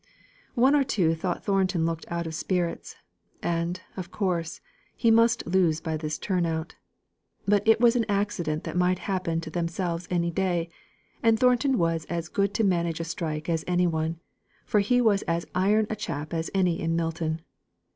One or two thought Thornton looked out of spirits; and, of course, he must lose by this turn out. But it was an accident that might happen to themselves any day; and Thornton was as good to manage a strike as any one; for he was as iron a chap as any in Milton.